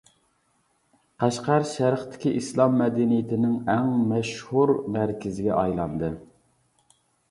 قەشقەر شەرقتىكى ئىسلام مەدەنىيىتىنىڭ ئەڭ مەشھۇر مەركىزىگە ئايلاندى.